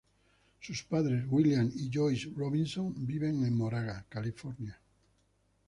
Sus padres, William y Joyce Robinson, viven en Moraga, California.